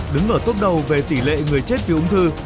đứng ở tốt đầu về tỷ lệ người chết vì ung thư